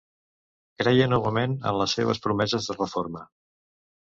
Creia novament en les seues promeses de reforma.